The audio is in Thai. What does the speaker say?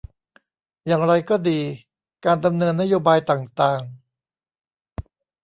อย่างไรก็ดีการดำเนินนโยบายต่างต่าง